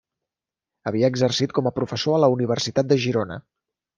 Havia exercit com a professor a la Universitat de Girona.